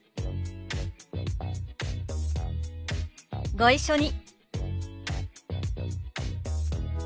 ご一緒に。